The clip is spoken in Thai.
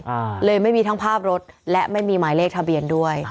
อ่าเลยไม่มีทั้งภาพรถและไม่มีหมายเลขทะเบียนด้วย